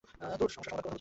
তোমার সমস্যা সমাধান করব।